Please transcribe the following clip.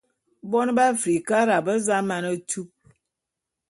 Bone be Afrikara be za mane tup.